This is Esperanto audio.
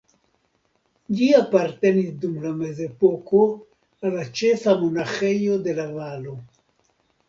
Ĝi apartenis dum la Mezepoko al la ĉefa monaĥejo de la valo.